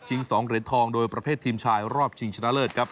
๒เหรียญทองโดยประเภททีมชายรอบชิงชนะเลิศครับ